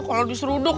aku kalau disuruh duk